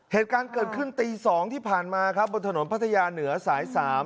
เหตุการณ์เกิดขึ้นตี๒ที่ผ่านมาครับบนถนนพัทยาเหนือสาย๓